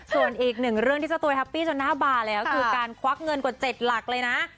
ส่วนอีกหนึ่งเรื่องที่เจ้าตัวแฮปปี้จนหน้าบาร์แล้วคือการควักเงินกว่า๗หลักเลยนะ